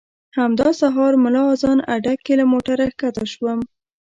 همدا سهار ملا اذان اډه کې له موټره ښکته شوم.